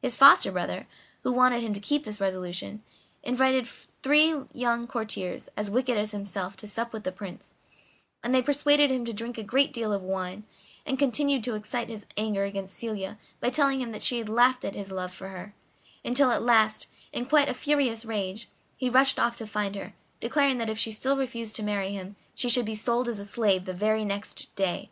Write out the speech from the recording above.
His foster brother, who wanted him to keep this resolution, invited three young courtiers, as wicked as himself to sup with the Prince, and they persuaded him to drink a great deal of wine, and continued to excite his anger against Celia by telling him that she had laughed at his love for her; until at last, in quite a furious rage, he rushed off to find her, declaring that if she still refused to marry him she should be sold as a slave the very next day.